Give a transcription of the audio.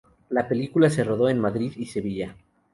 La película se rodó en Madrid y Sevilla.